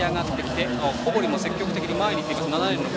小堀も積極的に前にいっています。